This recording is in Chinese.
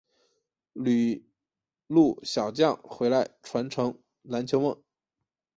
旅陆小将回来传承篮球梦